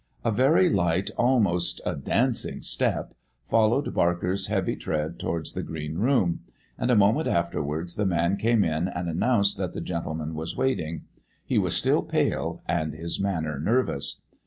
A very light, almost a dancing, step followed Barker's heavy tread towards the green room, and a moment afterwards the man came in and announced that the gentleman was waiting. He was still pale and his manner nervous.